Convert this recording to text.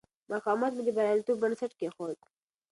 مقاومت مې د بریالیتوب بنسټ کېښود.